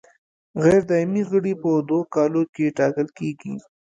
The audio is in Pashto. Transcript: غیر دایمي غړي په دوو کالو کې ټاکل کیږي.